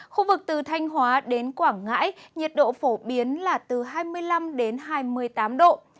khu vực từ thanh hóa đến quảng ngãi nhiệt độ phổ biến là từ hai mươi năm đến hai mươi tám độ